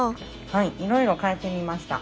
はいいろいろ変えてみました。